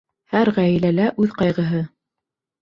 Һәр ғаиләлә үҙ ҡайғыһы!